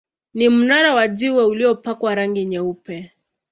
Ni mnara wa jiwe uliopakwa rangi nyeupe.